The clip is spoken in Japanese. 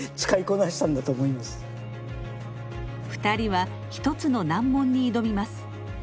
２人は一つの難問に挑みます。